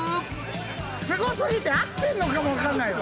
すごすぎて合ってるのかもわかんないわ。